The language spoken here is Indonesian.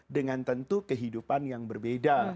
dengan tentu kehidupan yang berbeda